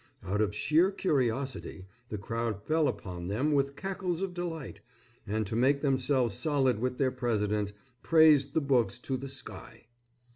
Out of sheer curiosity, the crowd fell upon them with cackles of delight, and to make themselves solid with their president, praised the books to the sky.